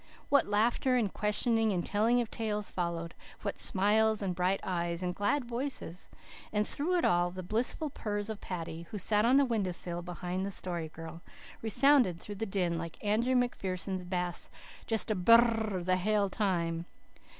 What laughter and questioning and telling of tales followed, what smiles and bright eyes and glad voices. And through it all, the blissful purrs of Paddy, who sat on the window sill behind the Story Girl, resounded through the din like Andrew McPherson's bass "just a bur r r r the hale time."